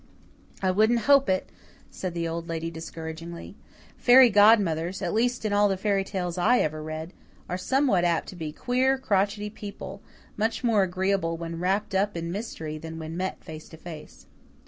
"I wouldn't hope it," said the Old Lady discouragingly. "Fairy godmothers at least, in all the fairy tales I ever read are somewhat apt to be queer, crochety people, much more agreeable when wrapped up in mystery than when met face to face."